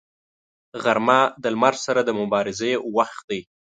غرمه د لمر سره د مبارزې وخت دی